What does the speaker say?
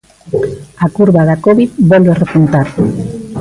A curva da Covid volve repuntar.